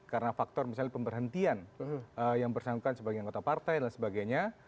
karena faktor misalnya pemberhentian yang bersangkutan sebagai anggota partai dan sebagainya